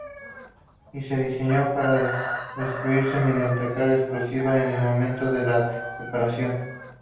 Y se diseño para destruirse mediante carga explosiva en el momento de la separación.